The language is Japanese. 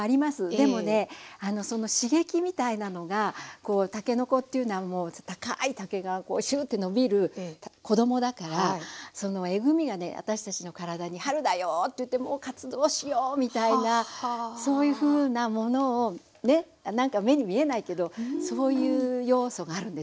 でもねその刺激みたいなのがたけのこというのは高い竹がシュッて伸びる子供だからそのえぐみがね私たちの体に「春だよ」と言って活動しようみたいなそういうふうなものをねなんか目に見えないけどそういう要素があるんですね。